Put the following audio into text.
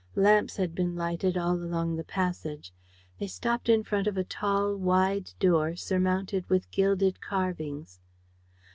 Lamps had been lighted all along the passage. They stopped in front of a tall, wide door surmounted with gilded carvings.